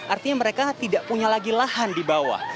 artinya mereka tidak punya lagi lahan di bawah